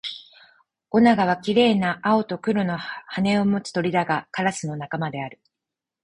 オナガは綺麗な青と黒の羽を持つ鳥だが、カラスの仲間である